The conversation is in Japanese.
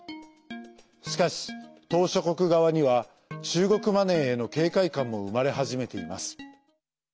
しかし、島しょ国側には中国マネーへの警戒感も生まれ始めています。